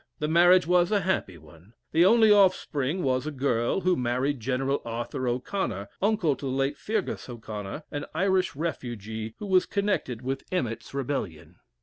The marriage was a happy one. The only offspring was a girl, who married General Arthur O'Connor, uncle to the late Feargus O'Connor, an Irish refugee who was connected with Emmett's rebellion.